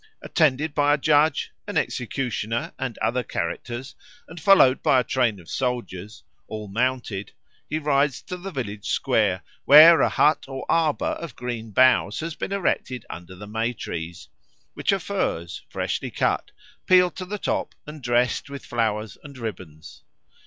Attended by a judge, an executioner, and other characters, and followed by a train of soldiers, all mounted, he rides to the village square, where a hut or arbour of green boughs has been erected under the May trees, which are firs, freshly cut, peeled to the top, and dressed with flowers and ribbons.